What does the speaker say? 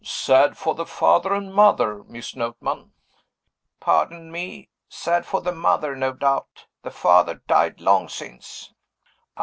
"Sad for the father and mother, Miss Notman!" "Pardon me, sad for the mother, no doubt. The father died long since."